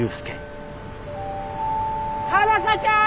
佳奈花ちゃん！